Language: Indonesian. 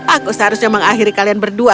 aku seharusnya mengakhiri kalian berdua